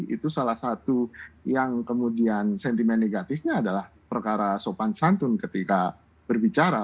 itu salah satu yang kemudian sentimen negatifnya adalah perkara sopan santun ketika berbicara